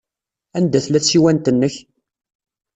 Anda tella tsiwant-nnek?